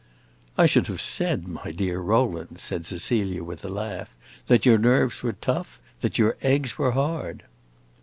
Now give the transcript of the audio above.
"I should have said, my dear Rowland," said Cecilia, with a laugh, "that your nerves were tough, that your eggs were hard!"